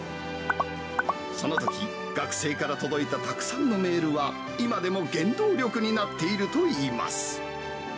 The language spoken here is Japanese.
そのとき、学生から届いたたくさんのメールは、今でも原動力になっているといいます。